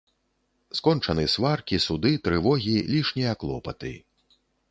Скончаны сваркі, суды, трывогі, лішнія клопаты.